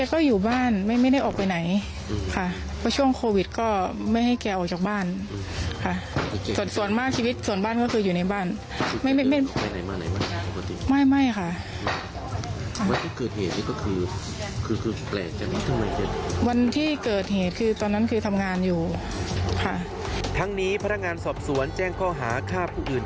ทั้งนี้พันธ์งานสอบสวนแจ้งข้อหาค่าผู้อื่น